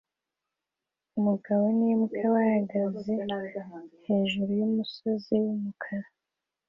Umugabo n'imbwa bahagaze hejuru yumusozi wumukara